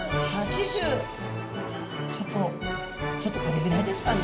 ちょっとちょっとこれぐらいですかね。